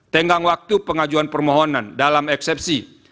tenggang waktu pengajuan permohonan dalam eksepsi